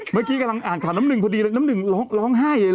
เมื่อกี้กำลังอ่านข่าวน้ำหนึ่งพอดีเลยน้ำหนึ่งร้องไห้เลย